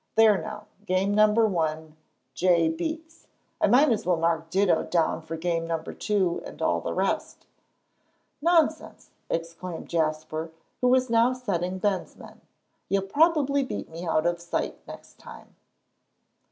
"There now, game number one, 'J' beats. I might as well mark ditto down for game number two and all the rest." "Nonsense!" exclaimed Jasper, who was now setting Ben's men. "You'll probably beat me out of sight next time."